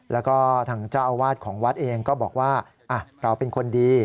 แล้วก็ทางเจ้าอาวาสของวัดเองก็บอกว่าเราเป็นคนดี